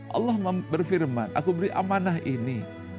allah berfirman aku beri amanah ini